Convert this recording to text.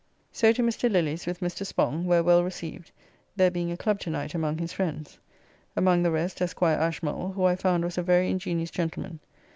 So to Mr. Lilly's with Mr. Spong, where well received, there being a club to night among his friends. Among the rest Esquire Ashmole, who I found was a very ingenious gentleman.